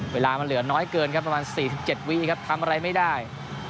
เวลามันเหลือน้อยเกินครับประมาณ๔๗วีครับทำอะไรไม่ได้